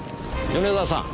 米沢さん。